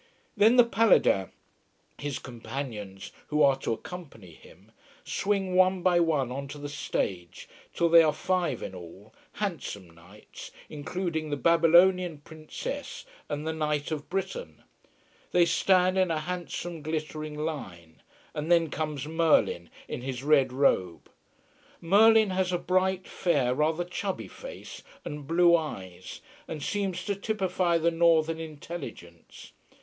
Then the Paladins, his companions who are to accompany him, swing one by one onto the stage, till they are five in all, handsome knights, including the Babylonian Princess and the Knight of Britain. They stand in a handsome, glittering line. And then comes Merlin in his red robe. Merlin has a bright, fair, rather chubby face and blue eyes, and seems to typify the northern intelligence.